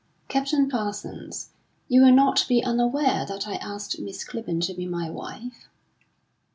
"Captain Parsons, you will not be unaware that I asked Miss Clibborn to be my wife?"